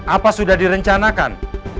apa sudah direncanakan